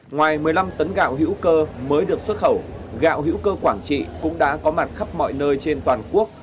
ngoài một mươi năm tấn gạo hữu cơ mới được xuất khẩu gạo hữu cơ quảng trị cũng đã có mặt khắp mọi nơi trên toàn quốc